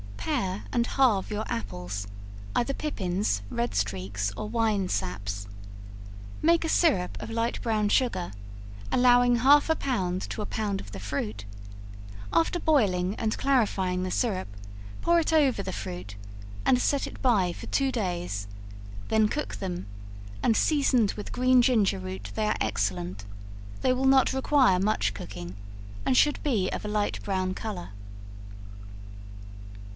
Pare and halve your apples, either pippins, red streaks or wine saps; make a syrup of light brown sugar, allowing half a pound to a pound of the fruit; after boiling and clarifying the syrup, pour it over the fruit, and set it by for two days, then cook them, and seasoned with green ginger root they are excellent; they will not require much cooking, and should be of a light brown color.